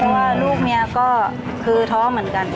เพราะว่าลูกเมียก็คือท้อเหมือนกัน